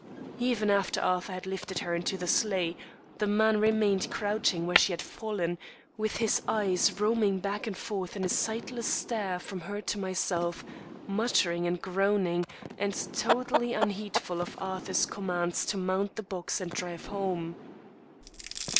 Even after Arthur had lifted her into the sleigh, the man remained crouching where she had fallen, with his eyes roaming back and forth in a sightless stare from her to myself, muttering and groaning, and totally unheedful of Arthur's commands to mount the box and drive home.